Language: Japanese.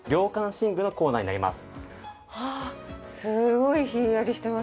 寝具のコーナーになります。